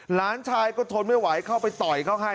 หลานชายก็ทนไม่ไหวเข้าไปต่อยเขาให้